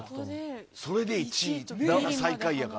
それで１位と最下位やから。